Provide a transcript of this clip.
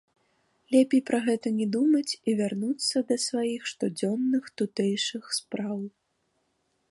Лепей пра гэта не думаць і вярнуцца да сваіх штодзённых тутэйшых спраў.